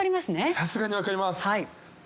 さすがにわかります。